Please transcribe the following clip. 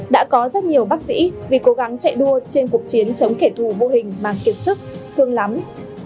đã có rất nhiều bác sĩ vì cố gắng chạy đua trên cuộc chiến chống kẻ thù mô hình màng kiệt sức thương lắm